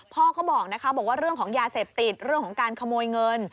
พ่อก็บอกนะคะบอกว่าเรื่องของยาเสพติดเรื่องของการขโมยเงิน